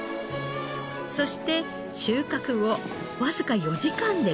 そして収穫後わずか４時間で冷蔵庫へ。